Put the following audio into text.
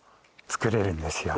作れるんですよ。